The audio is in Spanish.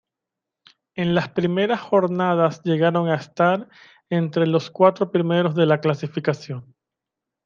En las primeras jornadas llegaron a estar entre los cuatro primeros de la clasificación.